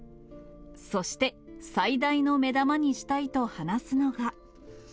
そして、最大の目玉にしたいと話すのが。